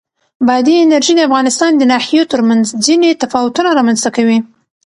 بادي انرژي د افغانستان د ناحیو ترمنځ ځینې تفاوتونه رامنځ ته کوي.